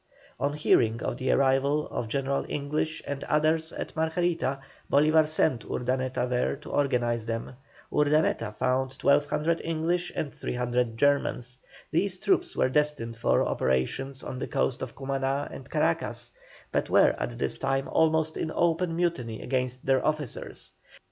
On hearing of the arrival of General English and others at Margarita, Bolívar sent Urdaneta there to organize them. Urdaneta found 1,200 English and 300 Germans. These troops were destined for operations on the coast of Cumaná and Caracas, but were at this time almost in open mutiny against their officers.